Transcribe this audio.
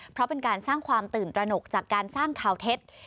เพราะเป็นการสร้างความตื่นตระหนกจากการสร้างข่าวเท็จ